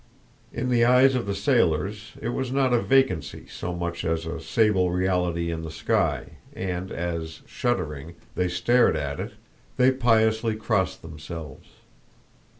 In the eyes of the sailors it was not a vacancy so much as a sable reality in the sky, and as, shuddering, they stared at it, they piously crossed themselves.